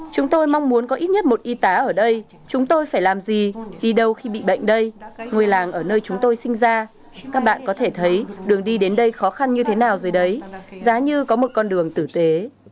chúng tôi mong muốn có ít nhất một y tá ở đây chúng tôi phải làm gì đi đâu khi bị bệnh đây ngôi làng ở nơi chúng tôi sinh ra các bạn có thể thấy đường đi đến đây khó khăn như thế nào dưới đấy giá như có một con đường tử tế